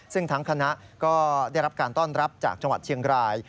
ซึ่งทั้งคณะก็ได้รับการต้อนรับจากจังหวัดเชียงราย